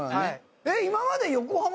今まで横浜